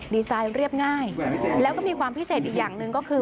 ดีไซน์เรียบง่ายแล้วก็มีความพิเศษอีกอย่างหนึ่งก็คือ